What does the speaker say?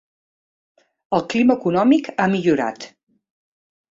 El clima econòmic ha millorat.